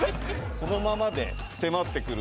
このままで迫ってくる。